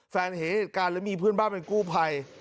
เห็นเหตุการณ์แล้วมีเพื่อนบ้านเป็นกู้ภัย